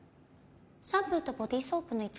シャンプーとボディーソープの位置